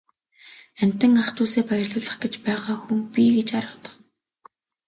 Амьтан ах дүүсээ баярлуулах гэж байгаа хүн би гэж аргадав.